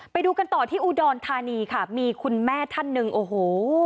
ไปดูกันต่อที่อุดรธานีค่ะมีคุณแม่ท่านหนึ่งโอ้โห